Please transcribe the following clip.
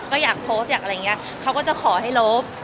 ก็อยากโพสต์อยากอะไรอย่างนี้เขาก็จะขอให้ลบ